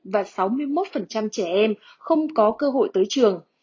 và sáu mươi một trẻ em không có cơ hội tới trường